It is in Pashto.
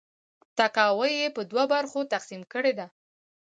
تاکاوی یې په دوه برخو تقسیم کړې ده.